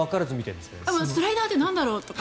スライダーってなんだろうとか